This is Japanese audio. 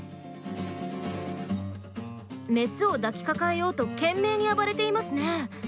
メスを抱きかかえようと懸命に暴れていますね。